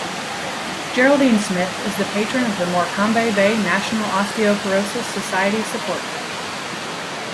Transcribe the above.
Geraldine Smith is the Patron of the Morecambe Bay National Osteoporosis Society Support Group.